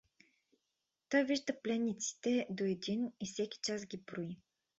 Той вижда пленниците до един и всеки час ги брои.